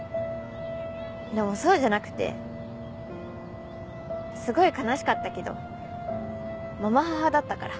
でもそうじゃなくてすごい悲しかったけど継母だったから。